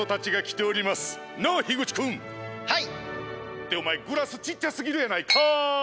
っておまえグラスちっちゃすぎるやないかい！